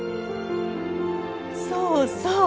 そうそう。